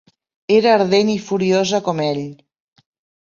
Era ardent i furiosa com ell.